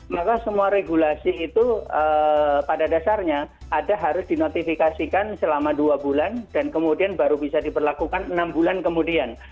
maka semua regulasi itu pada dasarnya ada harus dinotifikasikan selama dua bulan dan kemudian baru bisa diberlakukan enam bulan kemudian